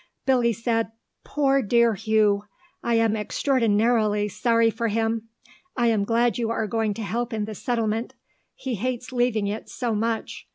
Billy said, "Poor dear Hugh. I am extraordinarily sorry for him. I am glad you are going to help in the Settlement. He hates leaving it so much.